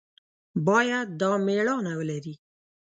باید دا مېړانه ولري.